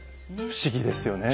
不思議ですよね。